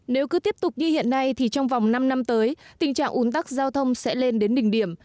nếu cứ tiếp tục như hiện nay thì trong vòng năm năm tới tình trạng ủn tắc giao thông sẽ lên đến đỉnh điểm